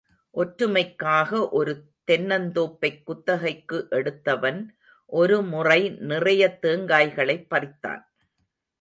ஒற்றுமைக்காக ஒரு தென்னந் தோப்பைக் குத்தகைக்கு எடுத்தவன், ஒருமுறை நிறையத் தேங்காய்களைப் பறித்தான்.